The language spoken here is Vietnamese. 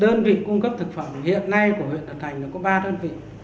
đơn vị cung cấp thực phẩm hiện nay của huyện hà thành có ba đơn vị